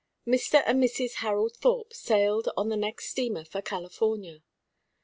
VI Mr. and Mrs. Harold Thorpe sailed on the next steamer for California.